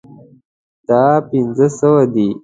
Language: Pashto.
دا پنځه سوه دي